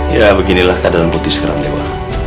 ya beginilah keadaan putih sekarang dewa